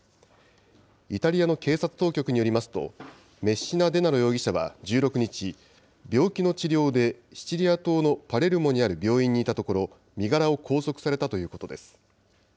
イタリアの警察当局によりますと、メッシナデナロ容疑者は１６日、病気の治療で、シチリア島のパレルモにある病院にいたところ、身柄を拘束されたということです。